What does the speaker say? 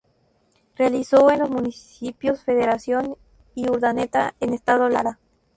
Realizado en los Municipios Federación y Urdaneta del Estado Lara.